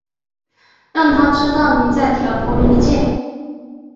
让他知道妳在挑拨离间